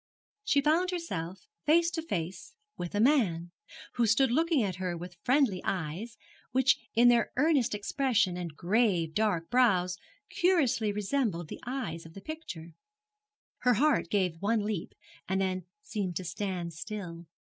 She found herself face to face with a man, who stood looking at her with friendly eyes, which in their earnest expression and grave dark brows curiously resembled the eyes of the picture. Her heart gave one leap, and then seemed to stand still.